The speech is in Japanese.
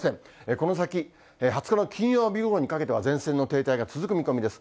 この先、２０日の金曜日ごろにかけては前線の停滞が続く見込みです。